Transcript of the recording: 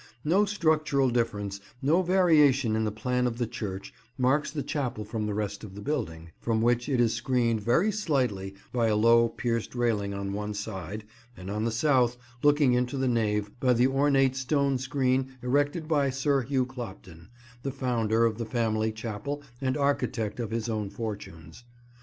No structural difference, no variation in the plan of the church, marks the chapel from the rest of the building, from which it is screened very slightly by a low pierced railing on one side, and on the south, looking into the nave, by the ornate stone screen erected by Sir Hugh Clopton, the founder of the family chapel and architect of his own fortunes.